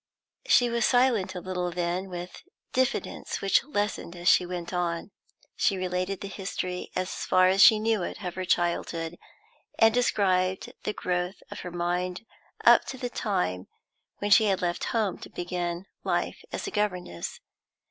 She was silent a little, then, with diffidence which lessened as she went on, she related the history, as far as she knew it, of her childhood, and described the growth of her mind up to the time when she had left home to begin life as a governess.